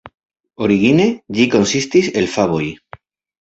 Origine, ĝi konsistis el faboj.